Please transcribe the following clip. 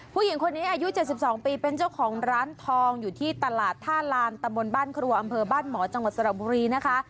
ผู้หญิงคนนี้อายุ๗๒ปีเป็นเจ้าของร้านทองอยู่ที่ตลาดท่าลานตำบลบ้านครัวอำเภอบ้านหมอจังหวัดสระบุรีนะคะ